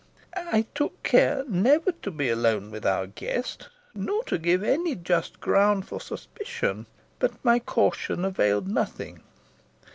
I took care never to be alone with our guest nor to give any just ground for suspicion but my caution availed nothing.